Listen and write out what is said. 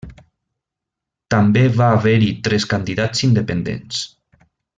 També va haver-hi tres candidats independents.